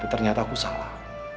tapi ternyata aku salah